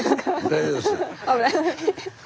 大丈夫です。